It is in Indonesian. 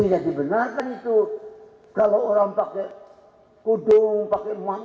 tidak dibenarkan itu kalau orang pakai kudung pakai emang